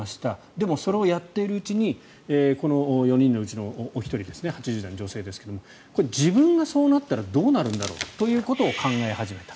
でも、それをやっているうちにこの４人のうちのお一人８０代の女性ですがこれ、自分がそうなったらどうなるんだろうということを考え始めた。